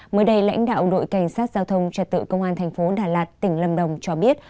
mới đây lãnh đạo đội cảnh sát giao thông trật tự công an thành phố đà lạt tỉnh lâm đồng cho biết